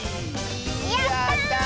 やった！